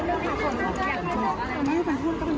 สำหรับคุณขอทางได้ไหมครับ